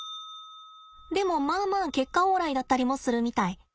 でもまあまあ結果オーライだったりもするみたい。